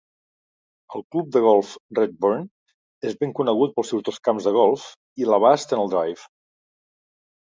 El club de golf Redbourn és ben conegut pels seus dos camps de golf i l'abast en el "drive".